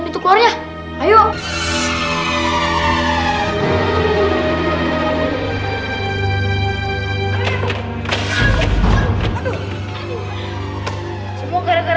biar bisa keluar